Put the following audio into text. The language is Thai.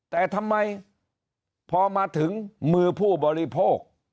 แต่ทำไมพอมาถึงมือผู้บริโภค